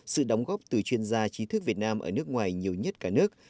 sự đóng góp từ chuyên gia trí thức việt nam ở nước ngoài nhiều nhất cả nước